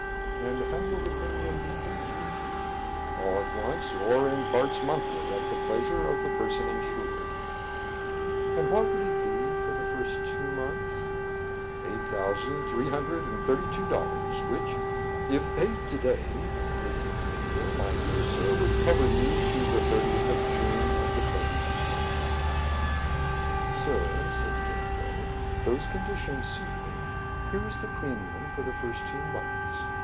" And how will the premium be paid you }"" All at once, or in parts monthly, at the pleas ure of the person insured." "And what would it be for the first two months ?"" Eight thousand three hundred and thirty two THE OFFICES OF THE ''CENTENARY:' 65 dollars, which, if paid to day, the 30th of April, my dear sir, would cover you to the 30th of June of the present year." "Sir," said Kin Fo, "those conditions suit me. Here is the premium for the first two months."